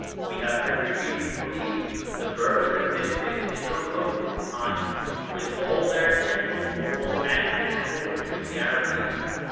We have every reason to believe the Berbers existed in the remotest times, with all their essential moral and physical peculiarities....